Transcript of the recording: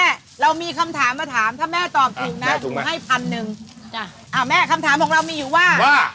เอาค่ะแม่คำถามของเรามีอยู่ว่า